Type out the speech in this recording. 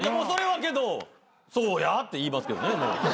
それはけど「そうや」って言いますけどね。